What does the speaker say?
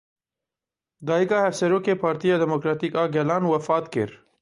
Dayika Hevserokê Partiya Demokratîk a Gelan wefat kir.